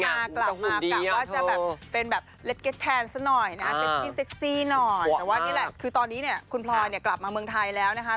เนี่ยเป็นแบบเล็ตเก็สแทนสักหน่อยตอนนี้เนี่ยคุณพลอยจะกลับมาเมืองไทยแล้วนะคะ